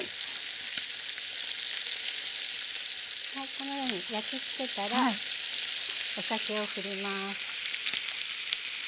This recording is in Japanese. このように焼き付けたらお酒をふります。